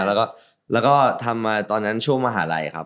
แล้วก็ทำมาตอนนั้นช่วงมหาลัยครับ